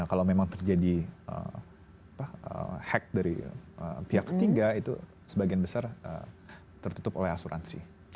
kalau memang terjadi hack dari pihak ketiga itu sebagian besar tertutup oleh asuransi